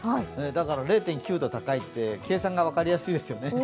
だから０．９度高いと計算が分かりやすいですよね。